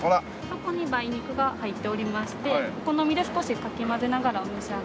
底に梅肉が入っておりましてお好みで少しかき混ぜながらお召し上がり。